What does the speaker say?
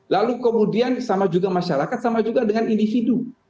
lalu kemudian sama juga masyarakat sama juga dengan individu